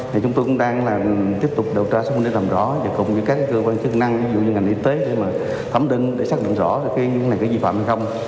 thì chúng tôi cũng đang là tiếp tục điều tra xong để làm rõ và cùng với các cơ quan chức năng ví dụ như ngành y tế để mà thẩm định để xác định rõ là cái vụ này có vi phạm hay không